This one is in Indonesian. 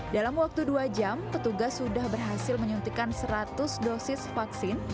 dalam waktu dua jam petugas sudah berhasil menyuntikan seratus dosis vaksin